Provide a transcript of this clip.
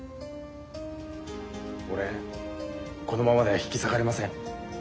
俺このままでは引き下がれません。